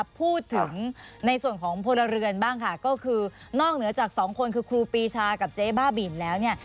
พูดถึงในส่วนของพลเรือนบ้างค่ะก็คือนอกเหนือจากสองคนคือครูปีชากับเจ๊บ้าบินแล้วเนี่ย